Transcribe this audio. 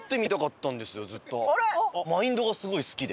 マインドがすごい好きで。